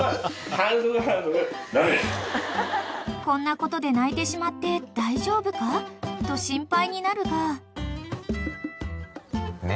［こんなことで泣いてしまって大丈夫か？と心配になるが］